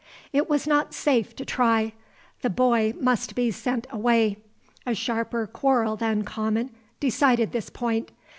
It was not safe to try. The boy must be sent away. A sharper quarrel than common decided this point.